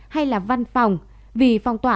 hay là văn phòng vì phong tỏa